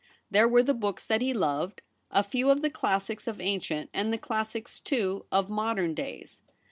There were the books that he loved ; a few of the classics of ancient and the classics, too, of modern days.